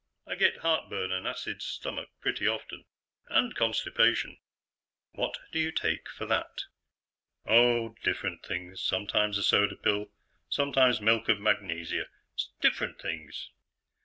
I get heartburn and acid stomach pretty often. And constipation." "What do you take for that?" "Oh, different things. Sometimes a soda pill, sometimes milk of magnesia, different things."